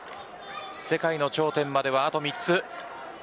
世界の頂点まではあと３つ。